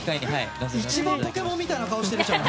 一番ポケモンみたいな顔してるじゃん。